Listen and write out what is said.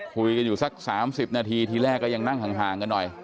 คุยกันอยู่สัก๓๐นาทีทีแรกก็ยังนั่งห่างกันหน่อย